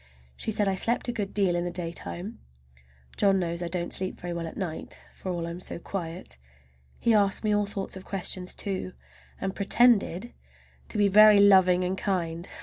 She said I slept a good deal in the daytime. John knows I don't sleep very well at night, for all I'm so quiet! He asked me all sorts of questions, too, and pretended to be very loving and kind.